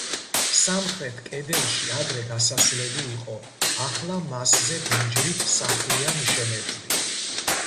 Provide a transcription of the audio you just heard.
სამხრეთ კედელში ადრე გასასვლელი იყო, ახლა მასზე მიჯრით სახლია მიშენებული.